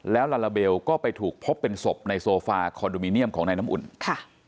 แล้วลาลาเบลก็ไปถูกพบเป็นศพในโซฟาคอนโดมิเนียมของนายน้ำอุ่นค่ะ